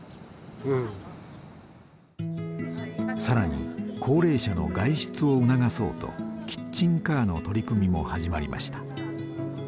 更に高齢者の外出を促そうとキッチンカーの取り組みも始まりました。